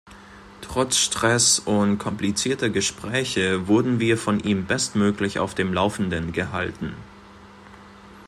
Trotz Streß und komplizierter Gespräche wurden wir von ihm bestmöglich auf dem laufenden gehalten.